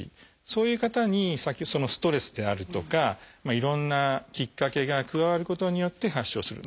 そういう方にストレスであるとかいろんなきっかけが加わることによって発症する。